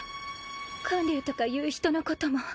観柳とかいう人のことも。